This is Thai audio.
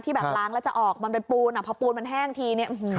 แบบล้างแล้วจะออกมันเป็นปูนอ่ะพอปูนมันแห้งทีเนี่ย